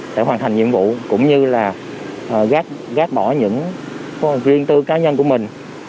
để hoàn thành nhiệm vụ cũng như là gác bỏ những riêng tư cá nhân của mình